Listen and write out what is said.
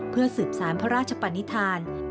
เพื่อสืบสารพระราชปนิษฐาน